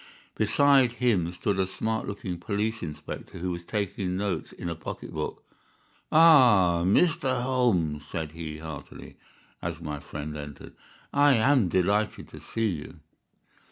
Beside him stood a smart looking police inspector, who was taking notes in a pocket book. "Ah, Mr. Holmes," said he, heartily, as my friend entered, "I am delighted to see you."